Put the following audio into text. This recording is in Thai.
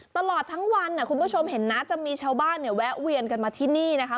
ตลอดทั้งวันคุณผู้ชมเห็นนะจะมีชาวบ้านเนี่ยแวะเวียนกันมาที่นี่นะคะ